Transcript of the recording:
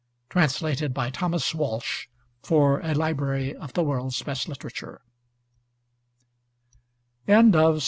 Translated by Thomas Walsh, for 'A Library of the World's Best Literature.'